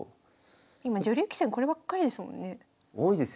今女流棋士はこればっかりですもんね。